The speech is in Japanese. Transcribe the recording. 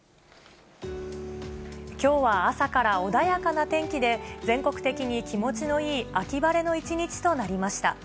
きょうは朝から穏やかな天気で、全国的に気持ちのいい秋晴れの一日となりました。